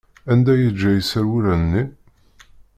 Anda i yeǧǧa iserwula-nni?